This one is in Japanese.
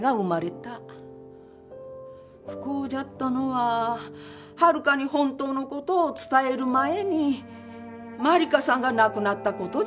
不幸じゃったのは春香に本当のことを伝える前に茉莉花さんが亡くなったことじゃ。